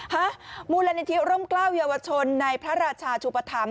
ฮะมูลนิธิร่มกล้าวเยาวชนในพระราชาชุปธรรม